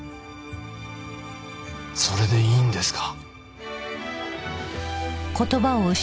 それでいいんですか？